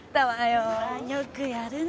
よくやるね。